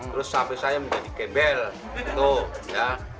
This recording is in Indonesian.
terus sampai saya menjadi gebel gitu ya